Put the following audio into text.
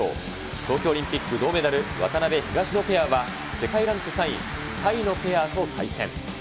東京オリンピック銅メダル、渡辺・東野ペアは世界ランク３位、タイのペアと対戦。